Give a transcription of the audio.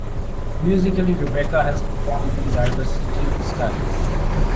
Musically, Rebecca has performed in a diversity of styles.